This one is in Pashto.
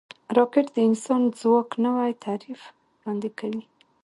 راکټ د انساني ځواک نوی تعریف وړاندې کوي